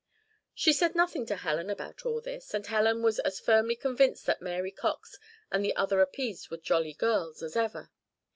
She said nothing to Helen about all this; and Helen was as firmly convinced that Mary Cox and the other Upedes were jolly girls, as ever.